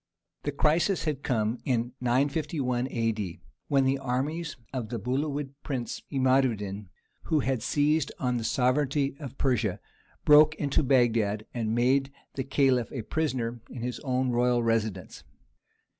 The crisis had come in 951 A.D., when the armies of the Buhawid prince Imad ud din, who had seized on the sovereignty of Persia, broke into Bagdad and made the Caliph a prisoner in his own royal residence.